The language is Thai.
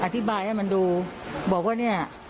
อธิบายให้มันดูบอกว่าเนี่ย